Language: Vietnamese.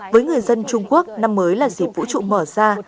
với người dân trung quốc năm mới là dịp vũ trụ mở ra